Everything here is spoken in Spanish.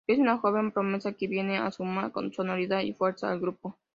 Es una joven promesa que viene a sumar sonoridad y fuerza al grupo.